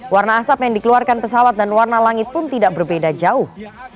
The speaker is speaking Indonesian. warna asap yang dikeluarkan pesawat dan warna langit pun tidak berbeda jauh